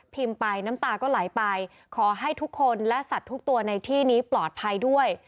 ไปน้ำตาก็ไหลไปขอให้ทุกคนและสัตว์ทุกตัวในที่นี้ปลอดภัยด้วย